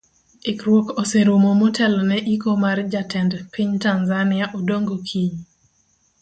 Ikruok oserumo motelo ne iko mar jatend piny tanzania Odongo kiny.